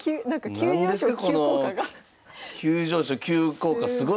急上昇・急降下すごい。